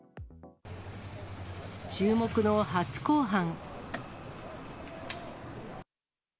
注目の初公判。